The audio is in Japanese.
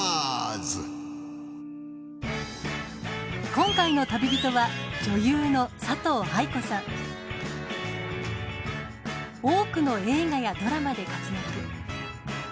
今回の旅人は多くの映画やドラマで活躍。